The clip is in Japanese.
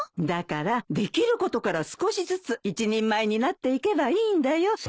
だからできることから少しずつ一人前になっていけばいいんだよ。